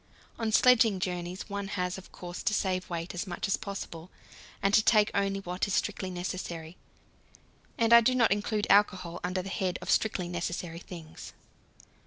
On sledging journeys one has, of course, to save weight as much as possible, and to take only what is strictly necessary; and I do not include alcohol under the head of strictly necessary things.